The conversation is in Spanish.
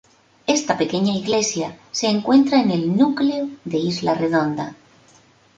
Esta pequeña iglesia se encuentra en el núcleo de Isla Redonda.